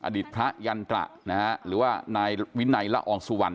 อดีตพระยัลตระหรือว่าวินัยละอร์งสุวรรณ